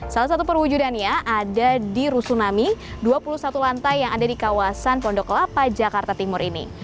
salah satu perwujudannya ada di rusunami dua puluh satu lantai yang ada di kawasan pondok lapa jakarta timur ini